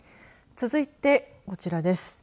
続いてこちらです。